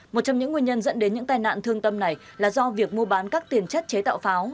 một trong những nguyên nhân dẫn đến những tai nạn thương tâm này là do việc mua bán các tiền chất chế tạo pháo